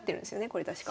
これ確か。